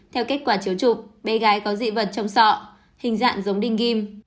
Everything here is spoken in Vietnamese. theo kết quả chiếu trục bé gái có dị vật trong sọ hình dạng giống đinh ghim